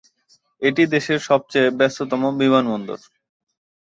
এটি দেশের সবচেয়ে ব্যস্ততম বিমানবন্দর।